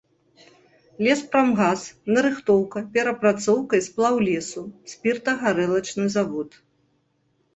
Леспрамгас, нарыхтоўка, перапрацоўка і сплаў лесу, спіртагарэлачны завод.